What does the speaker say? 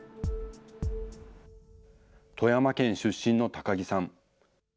富山県出身の高木さん。